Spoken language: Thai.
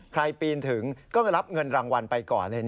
ปีนถึงก็รับเงินรางวัลไปก่อนเลย